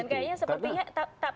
dan kayaknya sepertinya